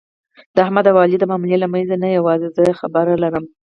د احمد او علي د معاملې له منځ نه یووازې زه خبر لرم.